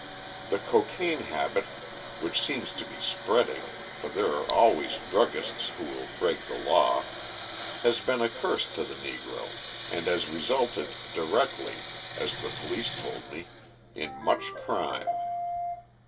The cocaine habit, which seems to be spreading, for there are always druggists who will break the law, has been a curse to the Negro and has resulted, directly, as the police told me, in much crime.